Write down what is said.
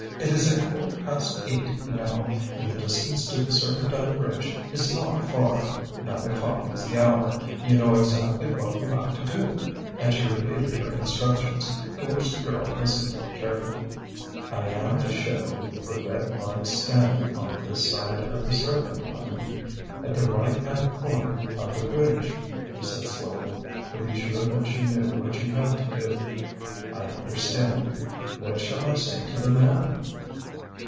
It is a quarter past eight now, and the distance to the Serpentine bridge is not far. Nine o'clock is the hour. You know exactly what you have to do," and she repeated her instructions, to which the girl listened carefully. "I am to show the red light standing on this side of the Serpentine at the right hand corner of the bridge," she said slowly, to be sure that she knew what she had to do. "I understand. What shall I say to the man?"